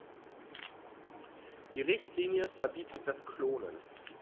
Die Richtlinie verbietet das Klonen.